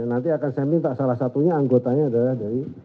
nanti akan saya minta salah satunya anggotanya adalah dari